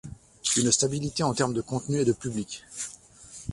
une stabilité en terme de contenu et de public